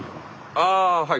あはい。